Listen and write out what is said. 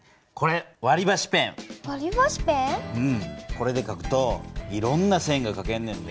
これでかくといろんな線がかけんねんで。